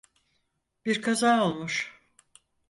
Bir kaza olmuş.